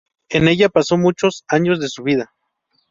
En ella pasó muchos años de su vida.